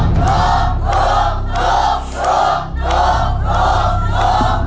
ถูก